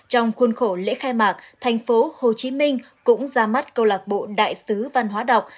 trong khuôn khổ lễ khai mạc thành phố hồ chí minh cũng ra mắt câu lạc bộ đại sứ văn hóa đọc